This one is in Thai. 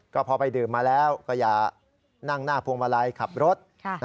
ก็พอไปดื่มมาแล้วก็อย่านั่งหน้าพวงมาลัยขับรถ